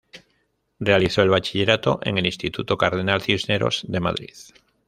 Realizó el bachillerato en el Instituto Cardenal Cisneros de Madrid.